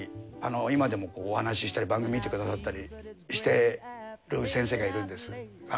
今でもお話ししたり番組見てくださったりしてる先生がいるんです。